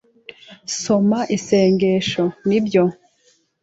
soma isengesho. “Nibyo